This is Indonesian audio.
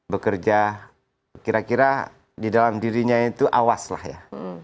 bekerja kira kira di dalam dirinya itu awas lah ya